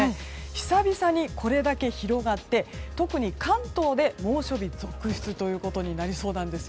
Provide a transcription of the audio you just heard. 久々にこれだけ広がって特に関東で猛暑日続出となりそうなんです。